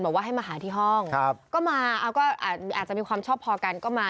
บอกว่าให้มาหาที่ห้องก็มาเอาก็อาจจะมีความชอบพอกันก็มา